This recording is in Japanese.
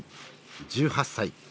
１８歳。